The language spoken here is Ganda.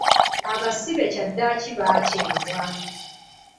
Abasibe kyaddaaki baateebwa.